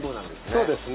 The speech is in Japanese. そうですね。